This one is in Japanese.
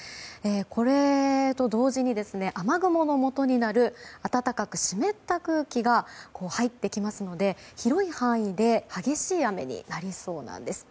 これと同時に、雨雲のもとになる暖かく湿った空気が入ってきますので広い範囲で激しい雨になりそうなんです。